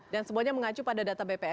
dan semuanya mengacu pada data bps